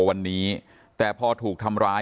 วันนี้แต่พอถูกทำร้าย